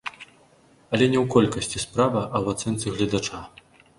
Але не ў колькасці справа, а ў ацэнцы гледача.